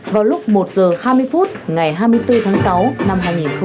vào lúc một h hai mươi phút ngày hai mươi bốn tháng sáu năm hai nghìn một mươi một